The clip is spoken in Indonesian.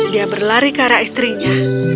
dia berlari ke arah istrinya